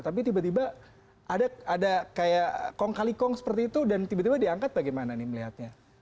tapi tiba tiba ada kayak kong kali kong seperti itu dan tiba tiba diangkat bagaimana nih melihatnya